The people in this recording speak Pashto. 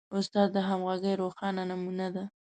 استاد د همغږۍ روښانه نمونه ده.